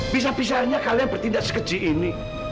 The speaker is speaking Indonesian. bisa bisanya kalian bertindak sekecil ini